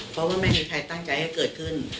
เพราะว่าไม่มีใครตั้งใจให้เกิดขึ้น